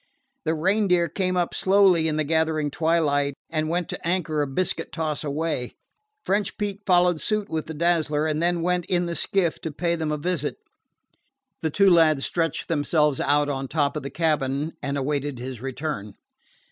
The Reindeer came up slowly in the gathering twilight and went to anchor a biscuit toss away. French Pete followed suit with the Dazzler, and then went in the skiff to pay them a visit. The two lads stretched themselves out on top the cabin and awaited his return.